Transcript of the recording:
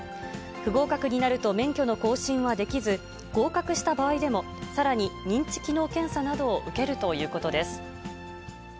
不合格になると、免許の更新はできず、合格した場合でも、さらに認知機能検査などを受けるということです。